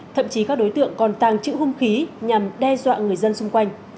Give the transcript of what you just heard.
thậm chí các đối tượng còn tàng trữ hung khí nhằm đe dọa người dân xung quanh